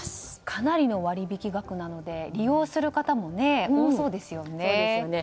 かなりの割引額なので利用する方も多そうですよね。